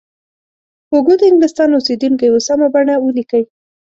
هوګو د انګلستان اوسیدونکی و سمه بڼه ولیکئ.